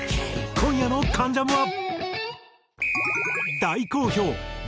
今夜の『関ジャム』は。